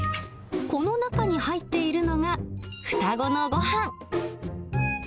この中に入っているのが、双子のごはん。